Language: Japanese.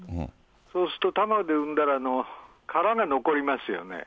そうすると、卵で産んだら殻が残りますよね。